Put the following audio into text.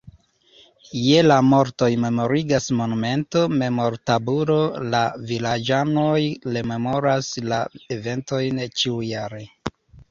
Je la mortoj memorigas monumento, memortabulo, la vilaĝanoj rememoras la eventojn ĉiujare.